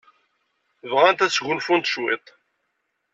Bɣant ad sgunfunt cwiṭ.